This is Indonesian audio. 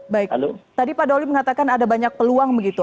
baik tadi pak doli mengatakan ada banyak peluang begitu